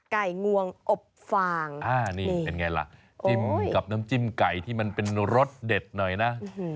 งวงอบฟางอ่านี่เป็นไงล่ะจิ้มกับน้ำจิ้มไก่ที่มันเป็นรสเด็ดหน่อยนะ